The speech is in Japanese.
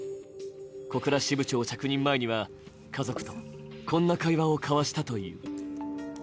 小倉支部長着任前には家族とこんな会話を交わしたという。